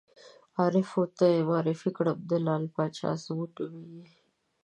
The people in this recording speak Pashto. عارف ور ته زه معرفي کړم: دی لعل باچا ازمون نومېږي.